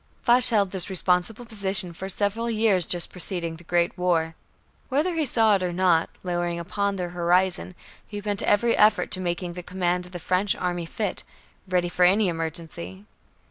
Foch held this responsible position for several years just preceding the Great War. Whether he saw it or not, lowering upon the horizon, he bent every effort to making the command of the French army fit, ready for any emergency.